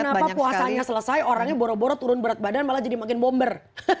kenapa puasanya selesai orangnya boro boro turun berat badan malah jadi makin bomber